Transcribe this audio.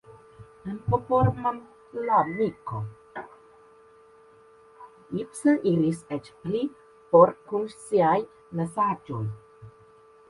En "Popolmalamiko" Ibsen iris eĉ pli for kun siaj mesaĝoj.